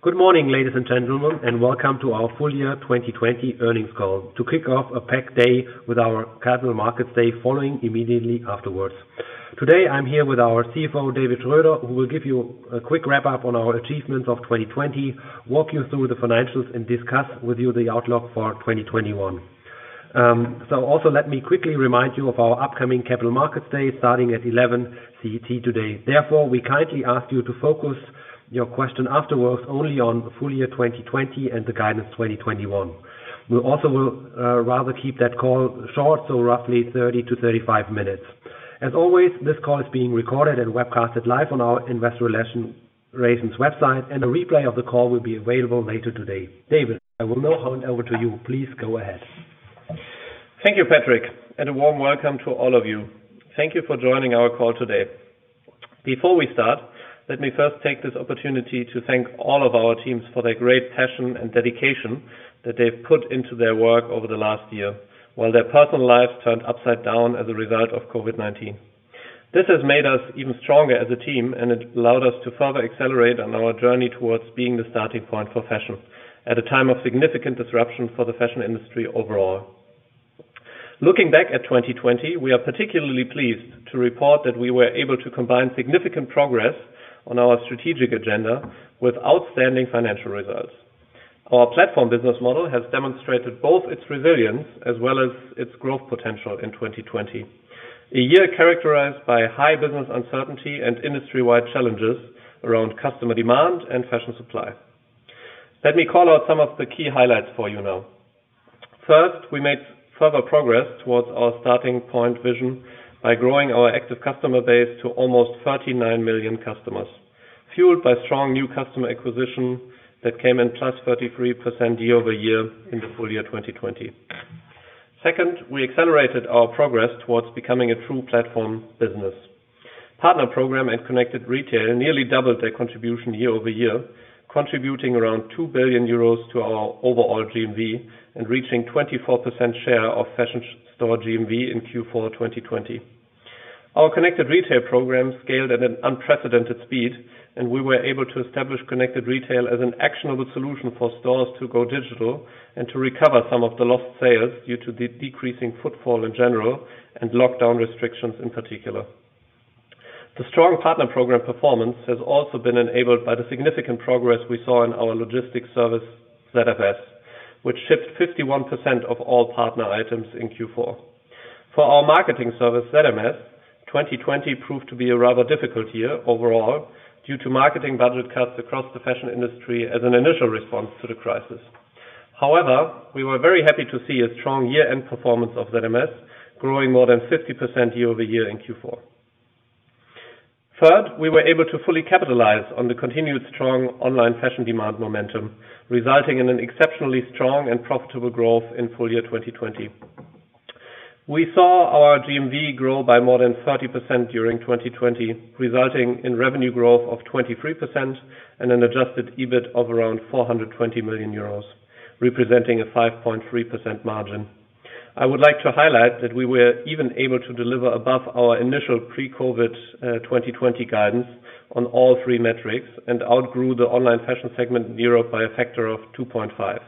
Good morning, ladies and gentlemen, welcome to our full year 2020 earnings call to kick off a packed day with our Capital Markets Day following immediately afterwards. Today, I'm here with our CFO, David Schröder, who will give you a quick wrap-up on our achievements of 2020, walk you through the financials, and discuss with you the outlook for 2021. Also, let me quickly remind you of our upcoming Capital Markets Day starting at 11:00 A.M. CET today. Therefore, we kindly ask you to focus your question afterwards only on full year 2020 and the guidance 2021. We also will rather keep that call short, so roughly 30-35 minutes. As always, this call is being recorded and webcasted live on our investor relations website, and a replay of the call will be available later today. David, I will now hand over to you. Please go ahead. Thank you, Patrick, and a warm welcome to all of you. Thank you for joining our call today. Before we start, let me first take this opportunity to thank all of our teams for their great passion and dedication that they've put into their work over the last year, while their personal lives turned upside down as a result of COVID-19. This has made us even stronger as a team, and it allowed us to further accelerate on our journey towards being the starting point for fashion at a time of significant disruption for the fashion industry overall. Looking back at 2020, we are particularly pleased to report that we were able to combine significant progress on our strategic agenda with outstanding financial results. Our platform business model has demonstrated both its resilience as well as its growth potential in 2020. A year characterized by high business uncertainty and industry-wide challenges around customer demand and fashion supply. Let me call out some of the key highlights for you now. First, we made further progress towards our starting point vision by growing our active customer base to almost 39 million customers, fueled by strong new customer acquisition that came in plus 33% year-over-year in the full year 2020. Second, we accelerated our progress towards becoming a true platform business. Partner program and Connected Retail nearly doubled their contribution year-over-year, contributing around 2 billion euros to our overall GMV and reaching 24% share of fashion store GMV in Q4 2020. Our Connected Retail program scaled at an unprecedented speed, and we were able to establish Connected Retail as an actionable solution for stores to go digital and to recover some of the lost sales due to the decreasing footfall in general and lockdown restrictions in particular. The strong Partner program performance has also been enabled by the significant progress we saw in our logistics service, ZFS, which shipped 51% of all partner items in Q4. For our marketing service, ZMS, 2020 proved to be a rather difficult year overall due to marketing budget cuts across the fashion industry as an initial response to the crisis. However, we were very happy to see a strong year-end performance of ZMS, growing more than 50% year-over-year in Q4. Third, we were able to fully capitalize on the continued strong online fashion demand momentum, resulting in an exceptionally strong and profitable growth in full year 2020. We saw our GMV grow by more than 30% during 2020, resulting in revenue growth of 23% and an adjusted EBIT of around 420 million euros, representing a 5.3% margin. I would like to highlight that we were even able to deliver above our initial pre-COVID 2020 guidance on all three metrics and outgrew the online fashion segment in Europe by a factor of 2.5.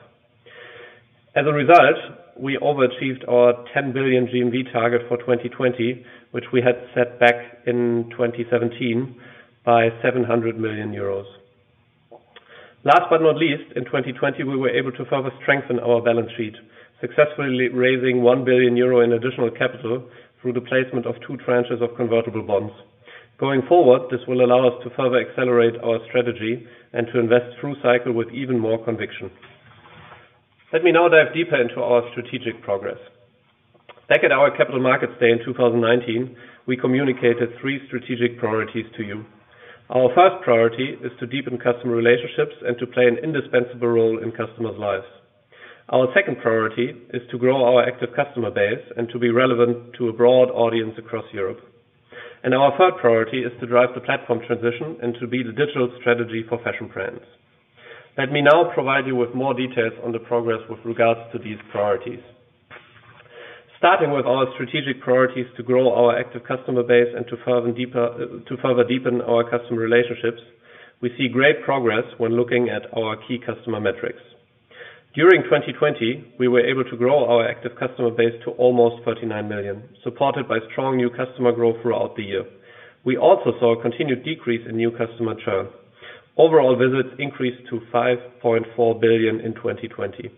As a result, we overachieved our 10 billion GMV target for 2020, which we had set back in 2017 by 700 million euros. Last but not least, in 2020, we were able to further strengthen our balance sheet, successfully raising 1 billion euro in additional capital through the placement of two tranches of convertible bonds. Going forward, this will allow us to further accelerate our strategy and to invest through cycle with even more conviction. Let me now dive deeper into our strategic progress. Back at our Capital Markets Day in 2019, we communicated three strategic priorities to you. Our first priority is to deepen customer relationships and to play an indispensable role in customers' lives. Our second priority is to grow our active customer base and to be relevant to a broad audience across Europe. Our third priority is to drive the platform transition and to be the digital strategy for fashion brands. Let me now provide you with more details on the progress with regards to these priorities. Starting with our strategic priorities to grow our active customer base and to further deepen our customer relationships, we see great progress when looking at our key customer metrics. During 2020, we were able to grow our active customer base to almost 39 million, supported by strong new customer growth throughout the year. We also saw a continued decrease in new customer churn. Overall visits increased to 5.4 billion in 2020.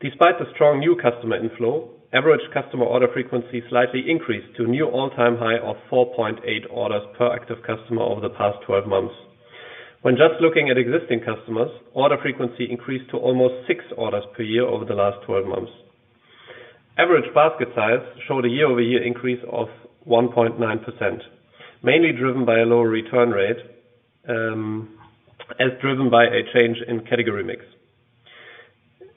Despite the strong new customer inflow, average customer order frequency slightly increased to a new all-time high of 4.8 orders per active customer over the past 12 months. When just looking at existing customers, order frequency increased to almost six orders per year over the last 12 months. Average basket size showed a year-over-year increase of 1.9%, mainly driven by a lower return rate as driven by a change in category mix.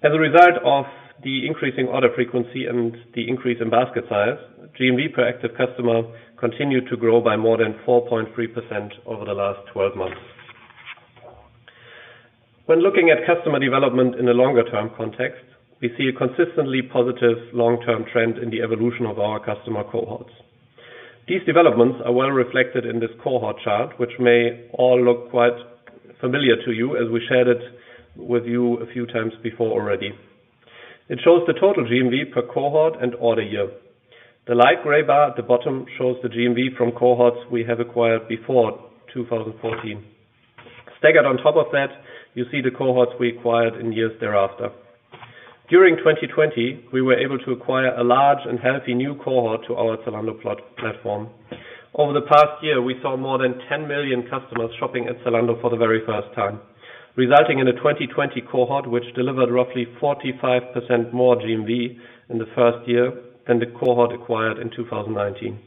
As a result of the increasing order frequency and the increase in basket size, GMV per active customer continued to grow by more than 4.3% over the last 12 months. When looking at customer development in a longer-term context, we see a consistently positive long-term trend in the evolution of our customer cohorts. These developments are well reflected in this cohort chart, which may all look quite familiar to you as we shared it with you a few times before already. It shows the total GMV per cohort and order year. The light gray bar at the bottom shows the GMV from cohorts we have acquired before 2014. Stacked on top of that, you see the cohorts we acquired in years thereafter. During 2020, we were able to acquire a large and healthy new cohort to our Zalando platform. Over the past year, we saw more than 10 million customers shopping at Zalando for the very first time, resulting in a 2020 cohort which delivered roughly 45% more GMV in the first year than the cohort acquired in 2019.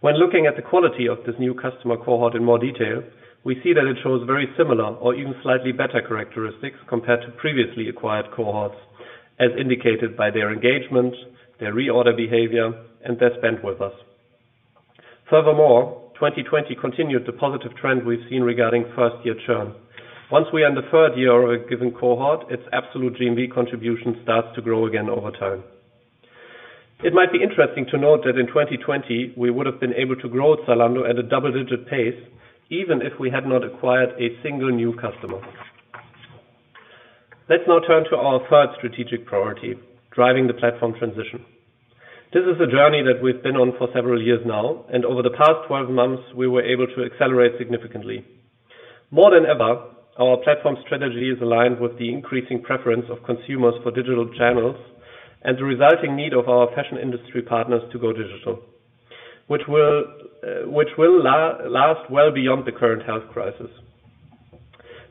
When looking at the quality of this new customer cohort in more detail, we see that it shows very similar or even slightly better characteristics compared to previously acquired cohorts, as indicated by their engagement, their reorder behavior, and their spend with us. Furthermore, 2020 continued the positive trend we've seen regarding first-year churn. Once we are in the third year of a given cohort, its absolute GMV contribution starts to grow again over time. It might be interesting to note that in 2020, we would have been able to grow Zalando at a double-digit pace, even if we had not acquired a single new customer. Let's now turn to our third strategic priority, driving the platform transition. This is a journey that we've been on for several years now, and over the past 12 months, we were able to accelerate significantly. More than ever, our platform strategy is aligned with the increasing preference of consumers for digital channels and the resulting need of our fashion industry partners to go digital, which will last well beyond the current health crisis.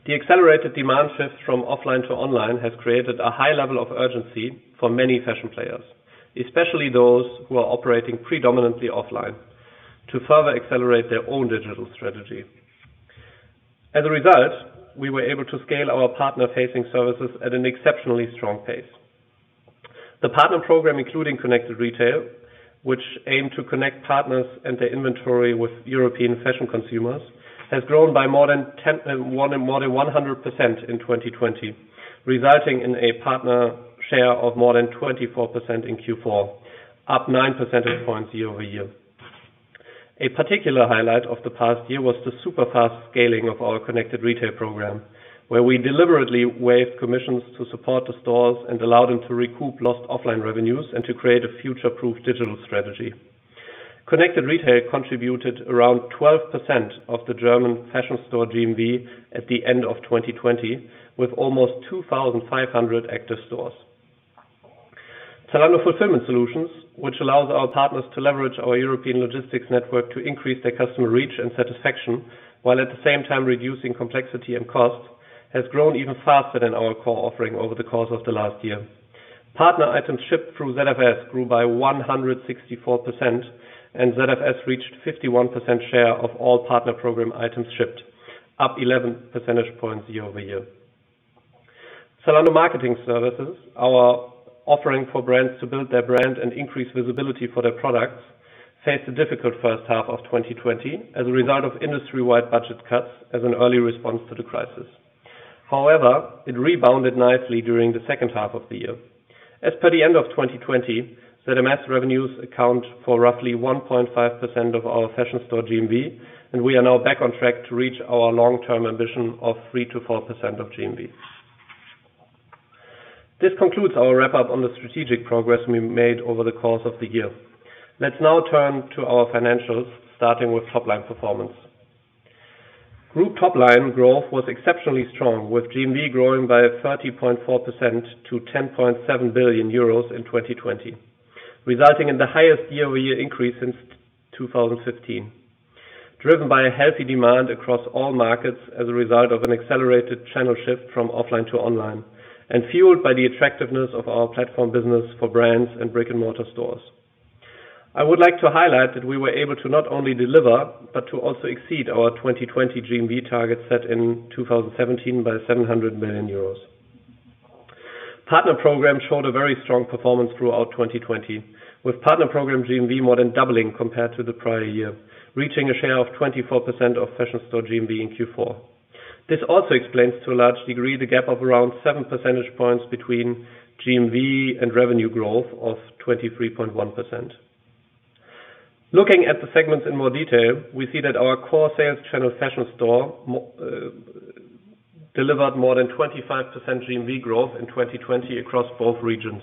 The accelerated demand shift from offline to online has created a high level of urgency for many fashion players, especially those who are operating predominantly offline, to further accelerate their own digital strategy. As a result, we were able to scale our partner-facing services at an exceptionally strong pace. The Partner program, including Connected Retail, which aim to connect partners and their inventory with European fashion consumers, has grown by more than 100% in 2020, resulting in a partner share of more than 24% in Q4, up 9 percentage points year-over-year. A particular highlight of the past year was the super-fast scaling of our Connected Retail program, where we deliberately waived commissions to support the stores and allow them to recoup lost offline revenues and to create a future-proof digital strategy. Connected Retail contributed around 12% of the German fashion store GMV at the end of 2020, with almost 2,500 active stores. Zalando Fulfillment Solutions, which allows our partners to leverage our European logistics network to increase their customer reach and satisfaction while at the same time reducing complexity and cost, has grown even faster than our core offering over the course of the last year. Partner items shipped through ZFS grew by 164%, and ZFS reached 51% share of all Partner program items shipped, up 11 percentage points year-over-year. Zalando Marketing Services, our offering for brands to build their brand and increase visibility for their products, faced a difficult first half of 2020 as a result of industry-wide budget cuts as an early response to the crisis. However, it rebounded nicely during the second half of the year. As per the end of 2020, ZMS revenues account for roughly 1.5% of our fashion store GMV, and we are now back on track to reach our long-term ambition of 3%-4% of GMV. This concludes our wrap-up on the strategic progress we made over the course of the year. Let's now turn to our financials, starting with top-line performance. Group top-line growth was exceptionally strong, with GMV growing by 30.4% to 10.7 billion euros in 2020, resulting in the highest year-over-year increase since 2015, driven by a healthy demand across all markets as a result of an accelerated channel shift from offline to online and fueled by the attractiveness of our platform business for brands and brick-and-mortar stores. I would like to highlight that we were able to not only deliver but to also exceed our 2020 GMV target set in 2017 by 700 million euros. Partner program showed a very strong performance throughout 2020, with Partner program GMV more than doubling compared to the prior year, reaching a share of 24% of fashion store GMV in Q4. This also explains to a large degree the gap of around seven percentage points between GMV and revenue growth of 23.1%. Looking at the segments in more detail, we see that our core sales channel fashion store delivered more than 25% GMV growth in 2020 across both regions.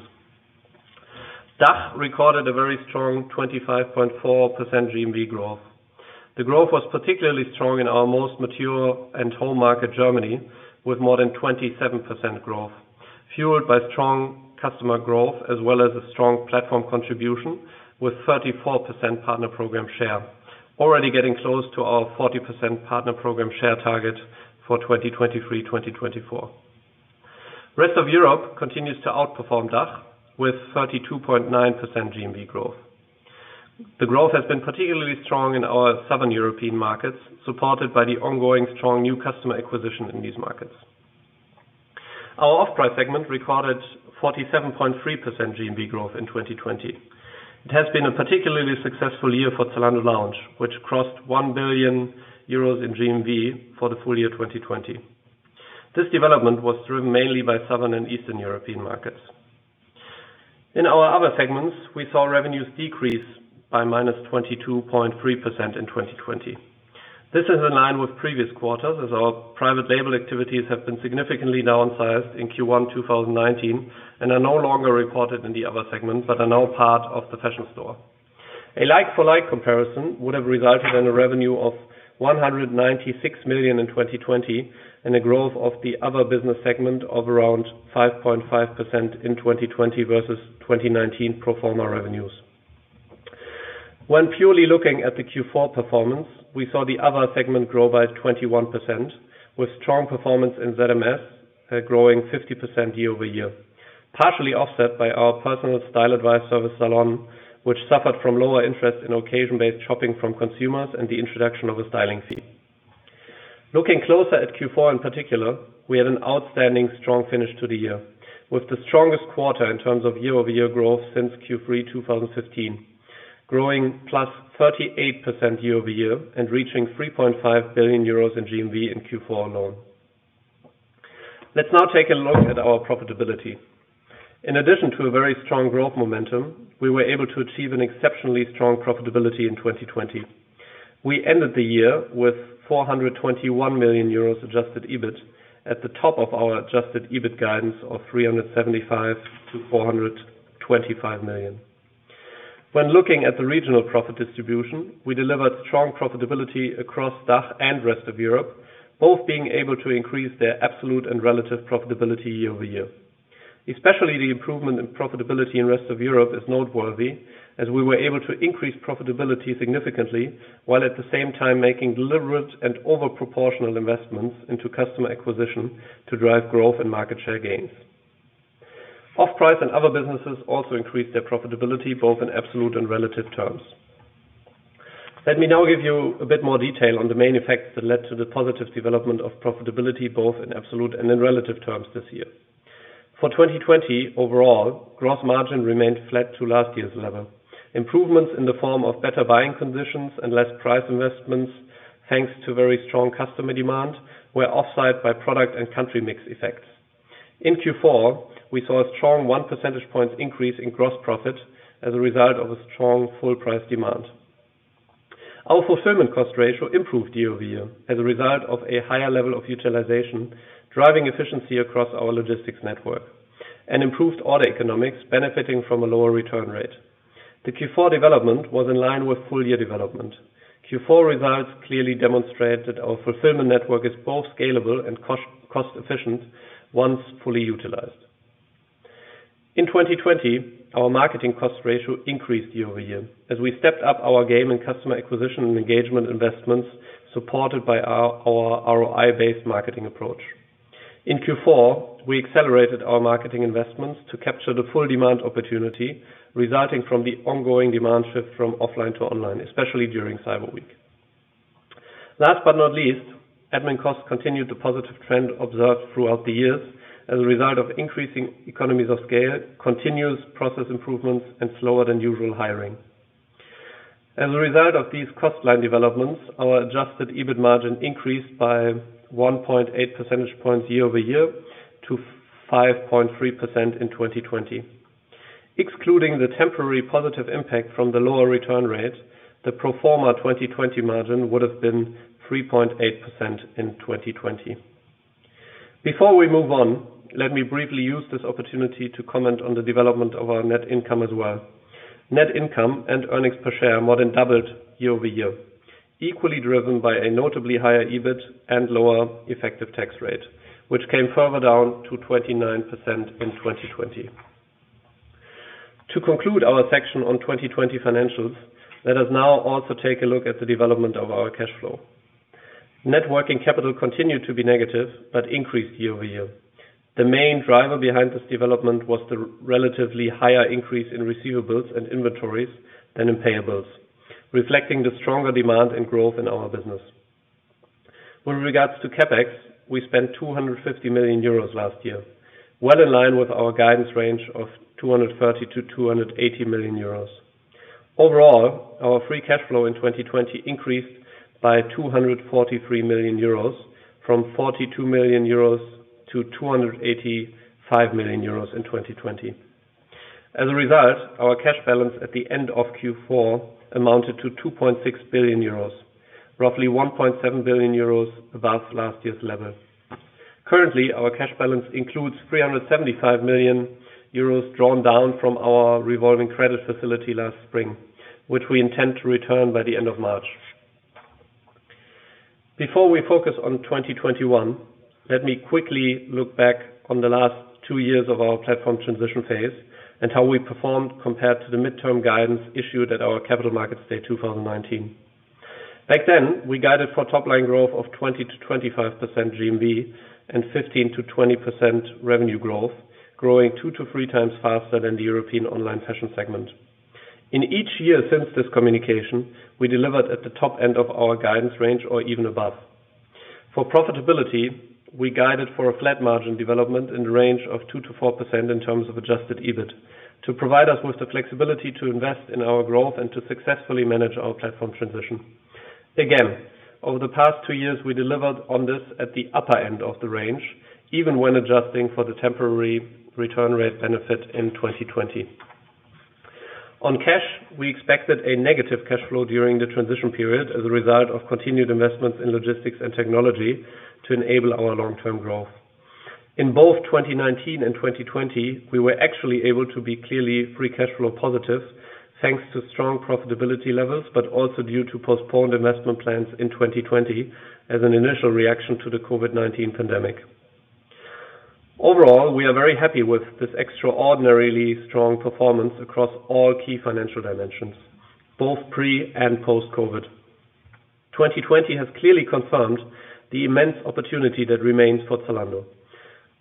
DACH recorded a very strong 25.4% GMV growth. The growth was particularly strong in our most mature and home market, Germany, with more than 27% growth, fueled by strong customer growth as well as a strong platform contribution with 34% Partner program share, already getting close to our 40% Partner program share target for 2023, 2024. Rest of Europe continues to outperform DACH with 32.9% GMV growth. The growth has been particularly strong in our Southern European markets, supported by the ongoing strong new customer acquisition in these markets. Our off-price segment recorded 47.3% GMV growth in 2020. It has been a particularly successful year for Zalando Lounge, which crossed 1 billion euros in GMV for the full year 2020. This development was driven mainly by Southern and Eastern European markets. In our other segments, we saw revenues decrease by -22.3% in 2020. This is in line with previous quarters, as our private label activities have been significantly downsized in Q1 2019 and are no longer reported in the other segments, but are now part of the Fashion Store. A like-for-like comparison would have resulted in a revenue of 196 million in 2020 and a growth of the Other business segment of around 5.5% in 2020 versus 2019 pro forma revenues. When purely looking at the Q4 performance, we saw the other segment grow by 21%, with strong performance in ZMS growing 50% year-over-year, partially offset by our personal style advice service, Zalon, which suffered from lower interest in occasion-based shopping from consumers and the introduction of a styling fee. Looking closer at Q4 in particular, we had an outstanding strong finish to the year, with the strongest quarter in terms of year-over-year growth since Q3 2015, growing +38% year-over-year and reaching 3.5 billion euros in GMV in Q4 alone. Let's now take a look at our profitability. In addition to a very strong growth momentum, we were able to achieve an exceptionally strong profitability in 2020. We ended the year with 421 million euros adjusted EBIT at the top of our adjusted EBIT guidance of 375 million-425 million. When looking at the regional profit distribution, we delivered strong profitability across DACH and rest of Europe, both being able to increase their absolute and relative profitability year-over-year. Especially the improvement in profitability in rest of Europe is noteworthy, as we were able to increase profitability significantly while at the same time making deliberate and overproportional investments into customer acquisition to drive growth and market share gains. Off-price and other businesses also increased their profitability, both in absolute and relative terms. Let me now give you a bit more detail on the main effects that led to the positive development of profitability, both in absolute and in relative terms this year. For 2020 overall, gross margin remained flat to last year's level. Improvements in the form of better buying conditions and less price investments, thanks to very strong customer demand, were offset by product and country mix effects. In Q4, we saw a strong one percentage points increase in gross profit as a result of a strong full price demand. Our fulfillment cost ratio improved year-over-year as a result of a higher level of utilization, driving efficiency across our logistics network, and improved order economics benefiting from a lower return rate. The Q4 development was in line with full year development. Q4 results clearly demonstrate that our fulfillment network is both scalable and cost-efficient once fully utilized. In 2020, our marketing cost ratio increased year-over-year as we stepped up our game in customer acquisition and engagement investments supported by our ROI-based marketing approach. In Q4, we accelerated our marketing investments to capture the full demand opportunity resulting from the ongoing demand shift from offline to online, especially during Cyber Week. Last but not least, admin costs continued the positive trend observed throughout the years as a result of increasing economies of scale, continuous process improvements, and slower than usual hiring. As a result of these cost line developments, our adjusted EBIT margin increased by 1.8 percentage points year-over-year to 5.3% in 2020. Excluding the temporary positive impact from the lower return rate, the pro forma 2020 margin would have been 3.8% in 2020. Before we move on, let me briefly use this opportunity to comment on the development of our net income as well. Net income and earnings per share more than doubled year-over-year, equally driven by a notably higher EBIT and lower effective tax rate, which came further down to 29% in 2020. To conclude our section on 2020 financials, let us now also take a look at the development of our cash flow. Net working capital continued to be negative but increased year-over-year. The main driver behind this development was the relatively higher increase in receivables and inventories than in payables, reflecting the stronger demand and growth in our business. With regards to CapEx, we spent 250 million euros last year, well in line with our guidance range of 230 million-280 million euros. Overall, our free cash flow in 2020 increased by 243 million euros from 42 million-285 million euros in 2020. As a result, our cash balance at the end of Q4 amounted to 2.6 billion euros, roughly 1.7 billion euros above last year's level. Currently, our cash balance includes 375 million euros drawn down from our revolving credit facility last spring, which we intend to return by the end of March. Before we focus on 2021, let me quickly look back on the last two years of our platform transition phase and how we performed compared to the midterm guidance issued at our Capital Markets Day 2019. Back then, we guided for top-line growth of 20%-25% GMV and 15%-20% revenue growth, growing two to three times faster than the European online fashion segment. In each year since this communication, we delivered at the top end of our guidance range or even above. For profitability, we guided for a flat margin development in the range of 2%-4% in terms of adjusted EBIT, to provide us with the flexibility to invest in our growth and to successfully manage our platform transition. Again, over the past two years, we delivered on this at the upper end of the range, even when adjusting for the temporary return rate benefit in 2020. On cash, we expected a negative cash flow during the transition period as a result of continued investments in logistics and technology to enable our long-term growth. In both 2019 and 2020, we were actually able to be clearly free cash flow positive, thanks to strong profitability levels, but also due to postponed investment plans in 2020 as an initial reaction to the COVID-19 pandemic. Overall, we are very happy with this extraordinarily strong performance across all key financial dimensions, both pre and post-COVID. 2020 has clearly confirmed the immense opportunity that remains for Zalando.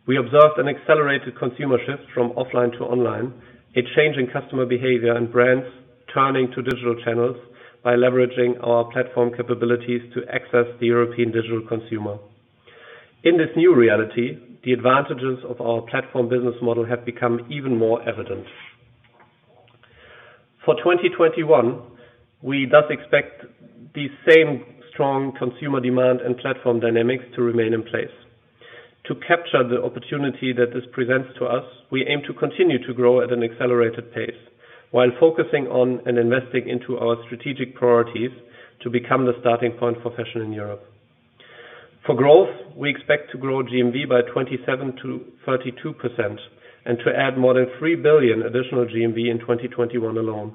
We observed an accelerated consumer shift from offline to online, a change in customer behavior and brands turning to digital channels by leveraging our platform capabilities to access the European digital consumer. In this new reality, the advantages of our platform business model have become even more evident. For 2021, we expect the same strong consumer demand and platform dynamics to remain in place. To capture the opportunity that this presents to us, we aim to continue to grow at an accelerated pace while focusing on and investing into our strategic priorities to become the starting point for fashion in Europe. For growth, we expect to grow GMV by 27%-32% and to add more than 3 billion additional GMV in 2021 alone,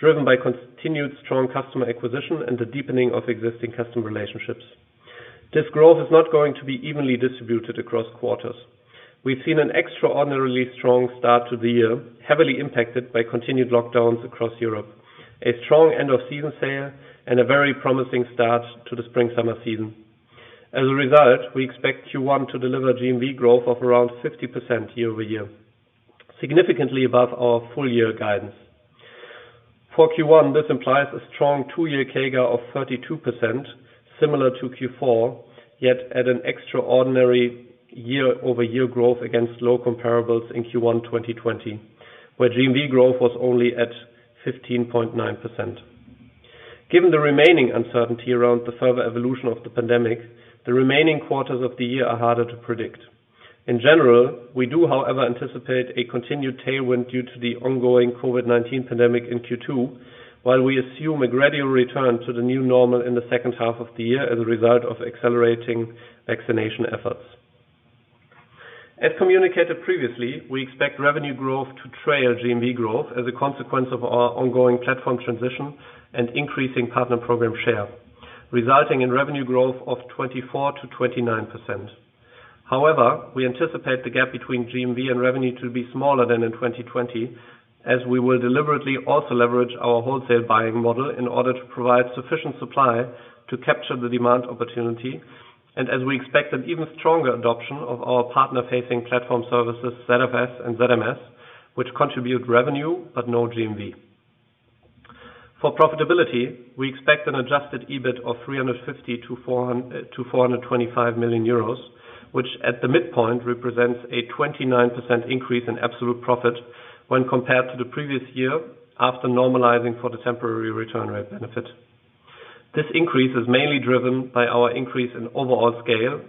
driven by continued strong customer acquisition and the deepening of existing customer relationships. This growth is not going to be evenly distributed across quarters. We've seen an extraordinarily strong start to the year, heavily impacted by continued lockdowns across Europe, a strong end of season sale, and a very promising start to the spring/summer season. As a result, we expect Q1 to deliver GMV growth of around 50% year-over-year, significantly above our full year guidance. For Q1, this implies a strong two-year CAGR of 32%, similar to Q4, yet at an extraordinary year-over-year growth against low comparables in Q1 2020, where GMV growth was only at 15.9%. Given the remaining uncertainty around the further evolution of the pandemic, the remaining quarters of the year are harder to predict. In general, we do, however, anticipate a continued tailwind due to the ongoing COVID-19 pandemic in Q2, while we assume a gradual return to the new normal in the second half of the year as a result of accelerating vaccination efforts. As communicated previously, we expect revenue growth to trail GMV growth as a consequence of our ongoing platform transition and increasing Partner program share, resulting in revenue growth of 24%-29%. We anticipate the gap between GMV and revenue to be smaller than in 2020, as we will deliberately also leverage our wholesale buying model in order to provide sufficient supply to capture the demand opportunity, and as we expect an even stronger adoption of our partner facing platform services, ZFS and ZMS, which contribute revenue but no GMV. For profitability, we expect an adjusted EBIT of 350 million-425 million euros, which at the midpoint represents a 29% increase in absolute profit when compared to the previous year after normalizing for the temporary return rate benefit. This increase is mainly driven by our increase in overall scale,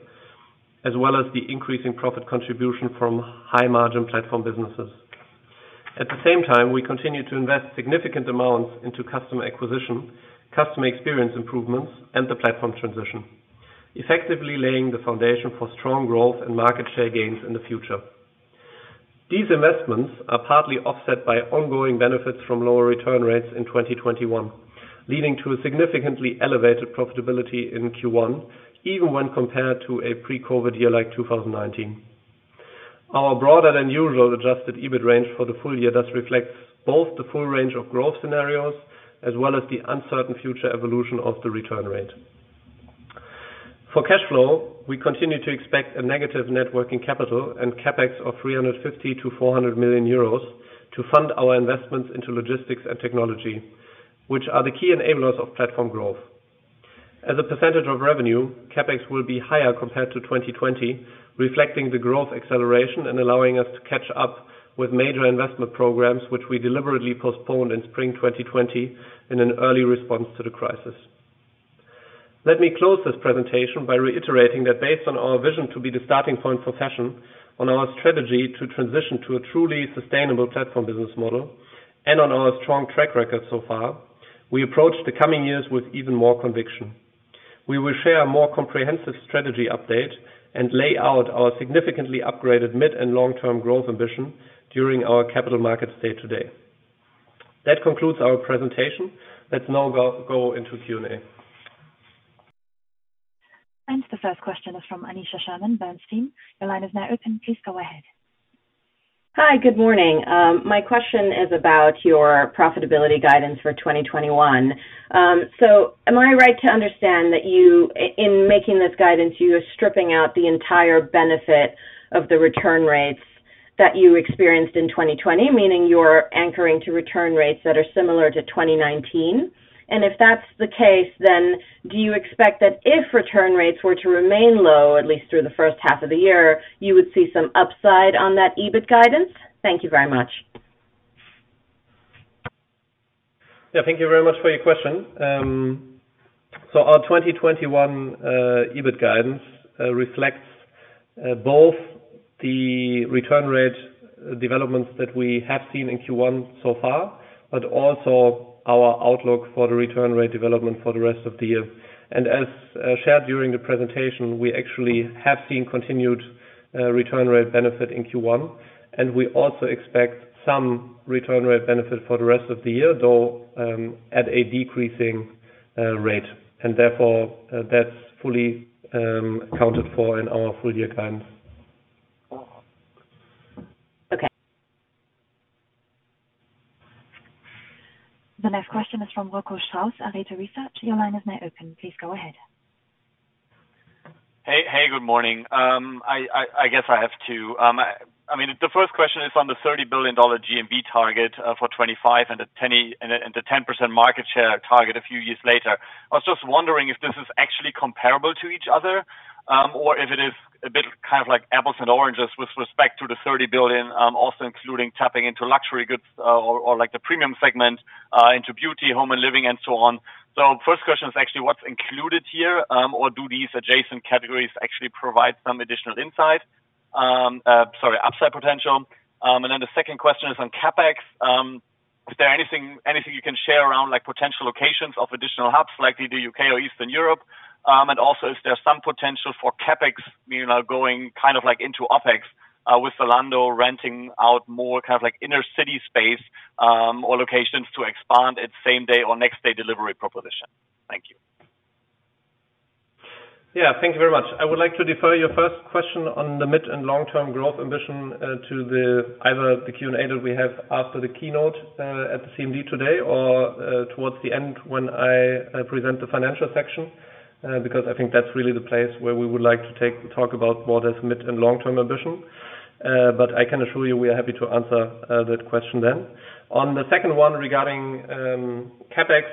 as well as the increase in profit contribution from high margin platform businesses. At the same time, we continue to invest significant amounts into customer acquisition, customer experience improvements, and the platform transition, effectively laying the foundation for strong growth and market share gains in the future. These investments are partly offset by ongoing benefits from lower return rates in 2021, leading to a significantly elevated profitability in Q1, even when compared to a pre-COVID year like 2019. Our broader than usual adjusted EBIT range for the full year does reflect both the full range of growth scenarios, as well as the uncertain future evolution of the return rate. For cash flow, we continue to expect a negative net working capital and CapEx of 350 million-400 million euros to fund our investments into logistics and technology, which are the key enablers of platform growth. As a percentage of revenue, CapEx will be higher compared to 2020, reflecting the growth acceleration and allowing us to catch up with major investment programs, which we deliberately postponed in spring 2020 in an early response to the crisis. Let me close this presentation by reiterating that based on our vision to be the starting point for fashion, on our strategy to transition to a truly sustainable platform business model, and on our strong track record so far, we approach the coming years with even more conviction. We will share a more comprehensive strategy update and lay out our significantly upgraded mid and long-term growth ambition during our Capital Markets Day today. That concludes our presentation. Let's now go into Q&A. The first question is from Aneesha Sherman, Bernstein. The line is now open. Please go ahead. Hi, good morning. My question is about your profitability guidance for 2021. Am I right to understand that in making this guidance, you are stripping out the entire benefit of the return rates that you experienced in 2020, meaning you're anchoring to return rates that are similar to 2019? If that's the case, then do you expect that if return rates were to remain low, at least through the first half of the year, you would see some upside on that EBIT guidance? Thank you very much. Yeah, thank you very much for your question. Our 2021 EBIT guidance reflects both the return rate developments that we have seen in Q1 so far, but also our outlook for the return rate development for the rest of the year. As shared during the presentation, we actually have seen continued return rate benefit in Q1, and we also expect some return rate benefit for the rest of the year, though at a decreasing rate. Therefore, that's fully accounted for in our full year guidance. Okay. The next question is from Rocco Strauss, Arete Research. Your line is now open. Please go ahead. Hey, good morning. I guess I have two. The first question is on the EUR 30 billion GMV target for 2025 and the 10% market share target a few years later. I was just wondering if this is actually comparable to each other, or if it is a bit kind of like apples and oranges with respect to the 30 billion, also including tapping into luxury goods or the premium segment, into beauty, home and living, and so on. First question is actually what's included here, or do these adjacent categories actually provide some additional, sorry, upside potential. The second question is on CapEx. Is there anything you can share around potential locations of additional hubs, like either U.K. or Eastern Europe? Also, is there some potential for CapEx going kind of into OpEx, with Zalando renting out more kind of inner city space, or locations to expand its same-day or next-day delivery proposition? Thank you. Yeah, thank you very much. I would like to defer your first question on the mid and long-term growth ambition to either the Q&A that we have after the keynote at the CMD today, or towards the end when I present the financial section, because I think that's really the place where we would like to talk about more this mid and long-term ambition. I can assure you, we are happy to answer that question then. On the second one regarding CapEx,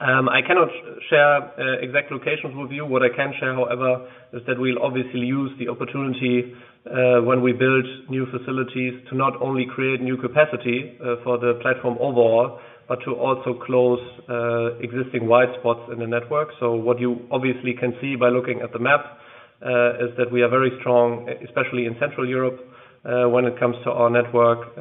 I cannot share exact locations with you. What I can share, however, is that we'll obviously use the opportunity when we build new facilities to not only create new capacity for the platform overall, but to also close existing white spots in the network. What you obviously can see by looking at the map, is that we are very strong, especially in Central Europe, when it comes to our network.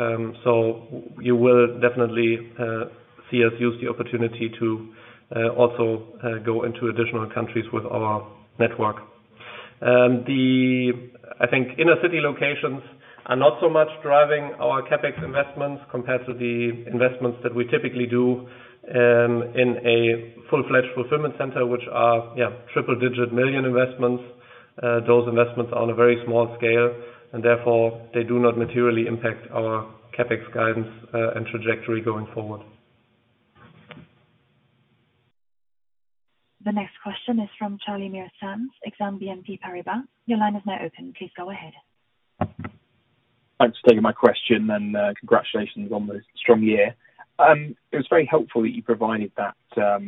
I think inner city locations are not so much driving our CapEx investments compared to the investments that we typically do in a full-fledged fulfillment center, which are triple-digit million EUR investments. Those investments are on a very small scale, and therefore, they do not materially impact our CapEx guidance and trajectory going forward. The next question is from Charlie Muir-Sands, Exane BNP Paribas. Your line is now open. Please go ahead. Thanks for taking my question and congratulations on the strong year. It was very helpful that you provided that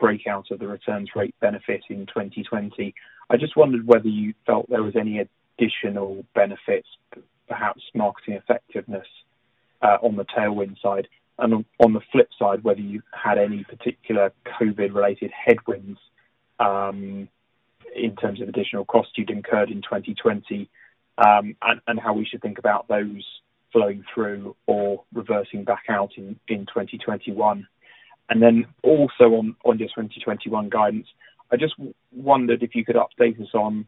breakout of the returns rate benefit in 2020. I just wondered whether you felt there was any additional benefits, perhaps marketing effectiveness, on the tailwind side. On the flip side, whether you had any particular COVID related headwinds in terms of additional costs you'd incurred in 2020, and how we should think about those flowing through or reversing back out in 2021. Also on your 2021 guidance, I just wondered if you could update us on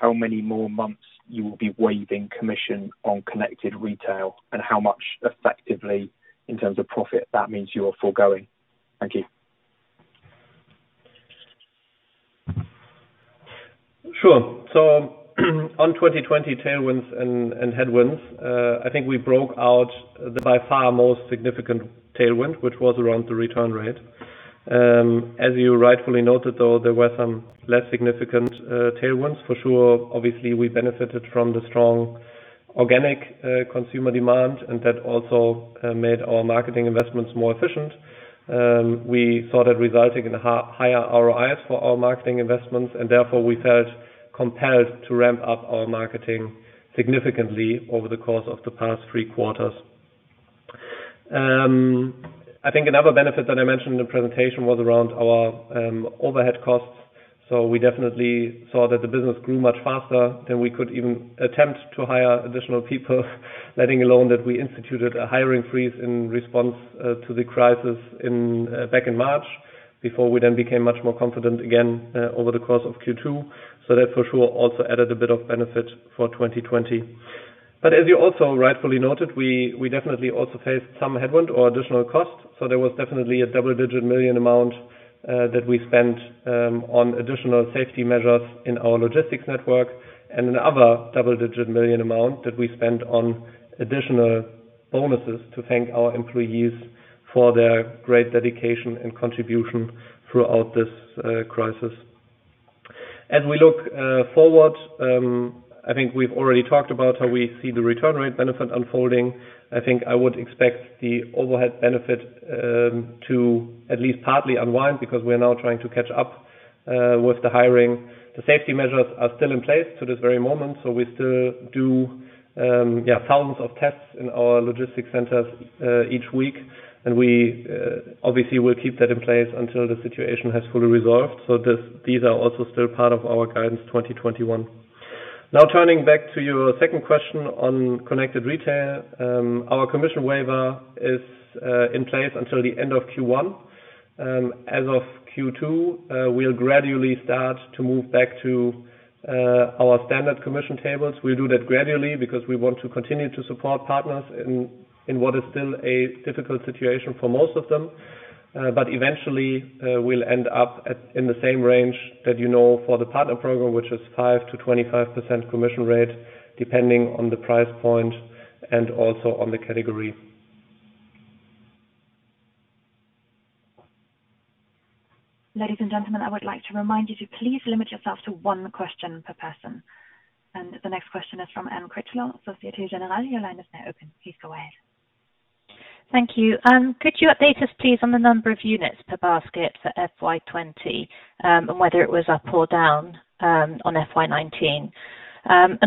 how many more months you will be waiving commission on Connected Retail and how much effectively, in terms of profit, that means you are foregoing. Thank you. Sure. On 2020 tailwinds and headwinds, I think we broke out the by far most significant tailwind, which was around the return rate. As you rightfully noted, though, there were some less significant tailwinds for sure. Obviously, we benefited from the strong organic consumer demand, and that also made our marketing investments more efficient. We saw that resulting in a higher ROIs for our marketing investments, and therefore we felt compelled to ramp up our marketing significantly over the course of the past three quarters. I think another benefit that I mentioned in the presentation was around our overhead costs. We definitely saw that the business grew much faster than we could even attempt to hire additional people, letting alone that we instituted a hiring freeze in response to the crisis back in March, before we then became much more confident again over the course of Q2. That for sure also added a bit of benefit for 2020. As you also rightfully noted, we definitely also faced some headwind or additional costs. There was definitely a double-digit million EUR amount that we spent on additional safety measures in our logistics network, and another double-digit million EUR amount that we spent on additional bonuses to thank our employees for their great dedication and contribution throughout this crisis. As we look forward, I think we've already talked about how we see the return rate benefit unfolding. I think I would expect the overhead benefit to at least partly unwind because we are now trying to catch up with the hiring. The safety measures are still in place to this very moment, so we still do thousands of tests in our logistics centers each week, and we obviously will keep that in place until the situation has fully resolved. These are also still part of our guidance 2021. Now turning back to your second question on Connected Retail. Our commission waiver is in place until the end of Q1. As of Q2, we'll gradually start to move back to our standard commission tables. We'll do that gradually because we want to continue to support partners in what is still a difficult situation for most of them. Eventually, we'll end up in the same range that you know for the Partner program, which is 5%-25% commission rate, depending on the price point and also on the category. Ladies and gentlemen, I would like to remind you to please limit yourself to one question per person. The next question is from Anne Critchlow, Société Générale. Your line is now open. Please go ahead. Thank you. Could you update us, please, on the number of units per basket for FY 2020, and whether it was up or down on FY 2019?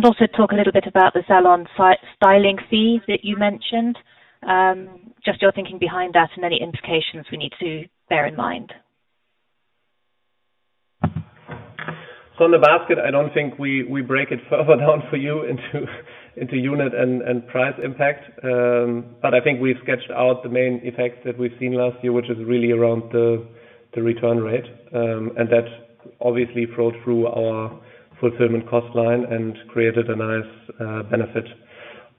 Also talk a little bit about the Zalon styling fee that you mentioned, just your thinking behind that and any implications we need to bear in mind. On the basket, I don't think we break it further down for you into unit and price impact. I think we've sketched out the main effects that we've seen last year, which is really around the return rate. That obviously flowed through our fulfillment cost line and created a nice benefit.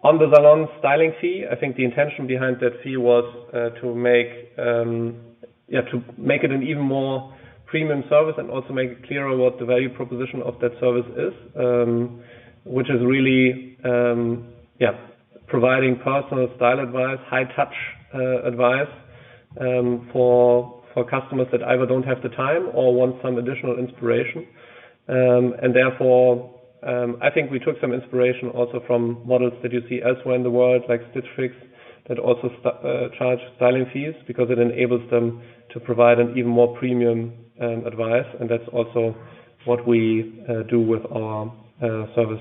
On the Zalon styling fee, I think the intention behind that fee was to make it an even more premium service and also make it clearer what the value proposition of that service is, which is really providing personal style advice, high-touch advice for customers that either don't have the time or want some additional inspiration. Therefore, I think we took some inspiration also from models that you see elsewhere in the world, like Stitch Fix, that also charge styling fees because it enables them to provide an even more premium advice. That's also what we do with our service,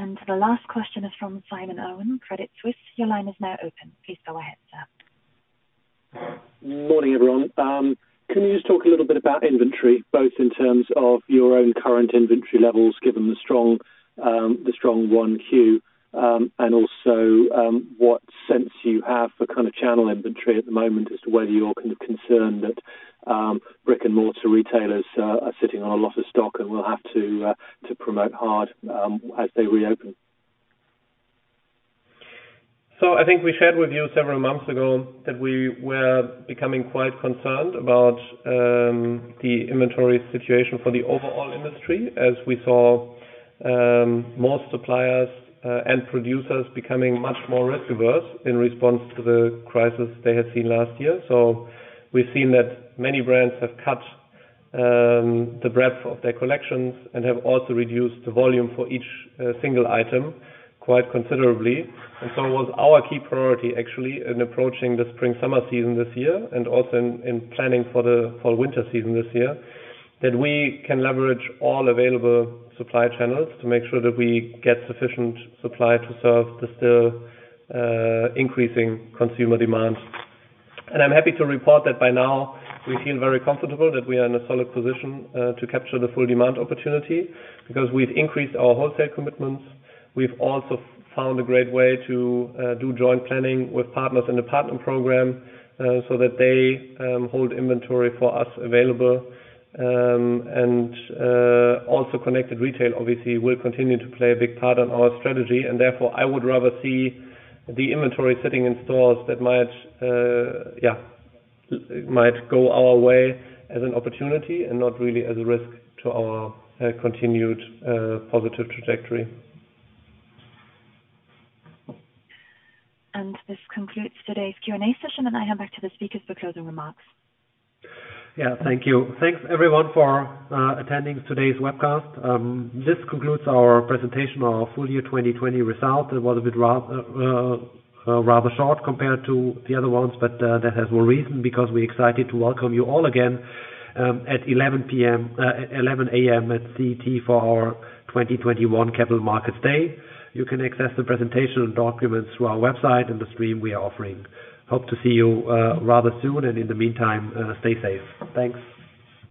Zalon. The last question is from Simon Irwin, Credit Suisse. Your line is now open. Please go ahead, sir. Morning, everyone. Can you just talk a little bit about inventory, both in terms of your own current inventory levels, given the strong 1Q, and also what sense you have for channel inventory at the moment as to whether you're concerned that brick-and-mortar retailers are sitting on a lot of stock and will have to promote hard as they reopen? I think we shared with you several months ago that we were becoming quite concerned about the inventory situation for the overall industry as we saw more suppliers and producers becoming much more risk-averse in response to the crisis they had seen last year. We've seen that many brands have cut the breadth of their collections and have also reduced the volume for each single item quite considerably. It was our key priority, actually, in approaching the spring/summer season this year, and also in planning for winter season this year, that we can leverage all available supply channels to make sure that we get sufficient supply to serve the still increasing consumer demand. I'm happy to report that by now we feel very comfortable that we are in a solid position to capture the full demand opportunity because we've increased our wholesale commitments. We've also found a great way to do joint planning with partners in the Partner program so that they hold inventory for us available. Connected Retail obviously will continue to play a big part in our strategy and therefore, I would rather see the inventory sitting in stores that might go our way as an opportunity and not really as a risk to our continued positive trajectory. This concludes today's Q&A session, and I hand back to the speakers for closing remarks. Yeah. Thank you. Thanks everyone for attending today's webcast. This concludes our presentation of our full year 2020 result. It was a bit rather short compared to the other ones, but that has one reason because we're excited to welcome you all again at 11:00 A.M. CET for our 2021 Capital Markets Day. You can access the presentation and documents through our website and the stream we are offering. Hope to see you rather soon, and in the meantime, stay safe. Thanks.